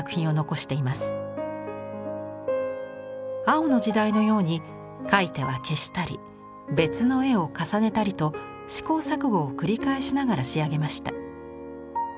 青の時代のように描いては消したり別の絵を重ねたりと試行錯誤を繰り返しながら仕上げました。